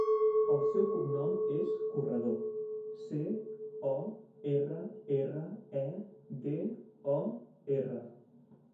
El seu cognom és Corredor: ce, o, erra, erra, e, de, o, erra.